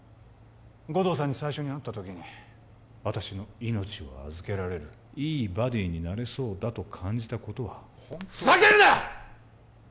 護道さんに最初に会った時に私の命を預けられるいいバディになれそうだと感じたことは本当ふざけるな！